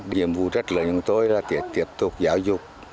điểm vụ rất lớn cho chúng tôi là tiếp tục giáo dục